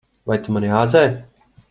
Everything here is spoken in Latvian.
Vai tu mani āzē?